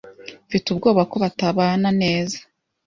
Mfite ubwoba ko batabana neza.